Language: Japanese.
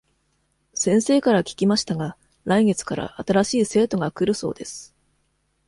先生から聞きましたが、来月から新しい生徒が来るそうです。